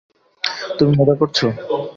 তুমি মজা করছ?